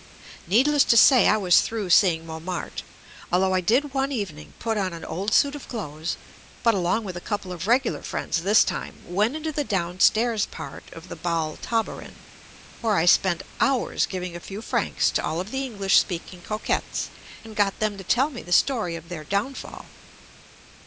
Needless to say I was through seeing Mont martre, although I did one evening put on an old suit of clothes, but along with a couple of regular friends this time, went into the down stairs part of the "Bal Tabarin," where I spent hours giving a few francs to all of the English speaking cocottes and got them to tell me the story of their downfall.